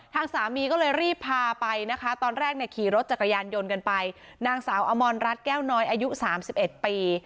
ทางสามีก็เลยรีบพาไปนะคะตอนแรกเนี่ยขี่รถจักรยานยนต์กันไปนางสาวอมรรัฐแก้วน้อยอายุ๓๑ปี